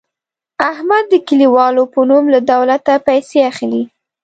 احمد د کلیوالو په نوم له دولته پیسې اخلي.